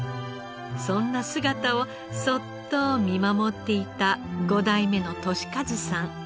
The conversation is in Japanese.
そんな姿をそっと見守っていた５代目の敏一さん。